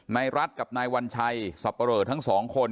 นายรัฐกับนายวัญชัยสับปะเรอทั้งสองคน